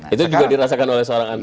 itu juga dirasakan oleh seorang anak